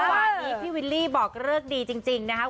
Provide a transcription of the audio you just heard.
วันนี้พี่วิลลี่บอกเลิกดีจริงนะครับ